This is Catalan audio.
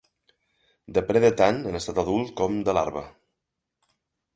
Depreda tant en estat adult com de larva.